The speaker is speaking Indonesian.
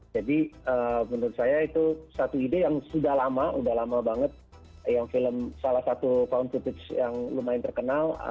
menurut saya itu satu ide yang sudah lama sudah lama banget yang film salah satu count vitage yang lumayan terkenal